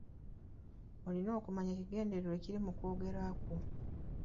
Olina okumanya ekigendererwa ekiri mu kwogera kwo.